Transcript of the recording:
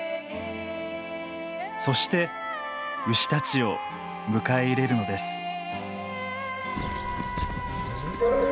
そして牛たちを迎え入れるのです。